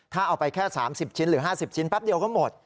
ถ้าเอาไปแค่๓๐ชิ้นหรือ๕๐ชิ้นแป๊บเดียวก็หมด